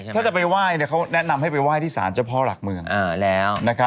ถ้าจะไปไหว้เขาแนะนำให้ไปไหว้ที่สารเจ้าพ่อหลักเมือง